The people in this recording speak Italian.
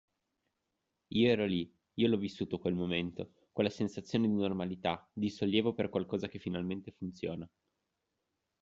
Io ero lì, io l’ho vissuto quel momento, quella sensazione di normalità, di sollievo per qualcosa che finalmente funziona